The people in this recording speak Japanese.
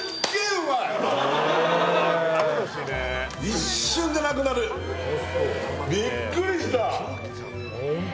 一瞬でなくなる、びっくりした！